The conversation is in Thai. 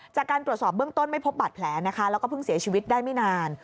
จากการตรวจสอบเบื้องต้นไม่พบบาดแผลนะคะแล้วก็เพิ่งเสียชีวิตได้ไม่นาน